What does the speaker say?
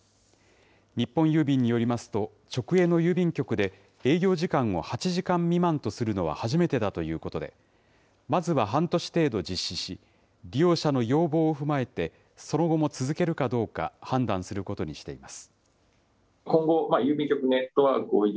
日本郵便によりますと、直営の郵便局で、営業時間を８時間未満とするのは初めてだということで、まずは半年程度実施し、利用者の要望を踏まえてその後も続けるかどうか、判断することにしています。